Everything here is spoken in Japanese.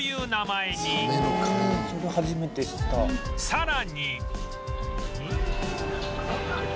さらに